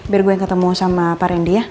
biar gue yang ketemu sama pak randy ya